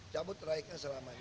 cabut raiknya selamanya